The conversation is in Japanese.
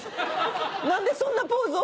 何でそんなポーズを？